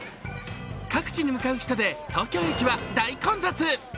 各地に向かう人で東京駅は大混雑。